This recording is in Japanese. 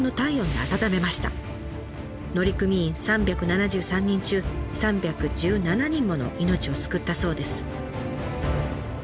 乗組員３７３人中３１７人もの命を救ったそうです。